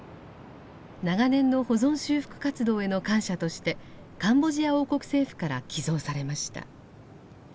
長年の保存修復活動への感謝としてカンボジア王国政府から寄贈されました。